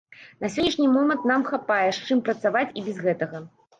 На сённяшні момант нам хапае, з чым працаваць і без гэтага.